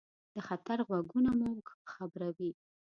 د خطر غږونه موږ خبروي.